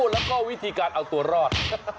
แล้วก็วิธีการเอาตัวรอด